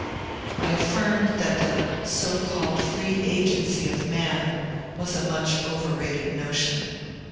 I affirmed that the so called free agency of man was a much overrated notion.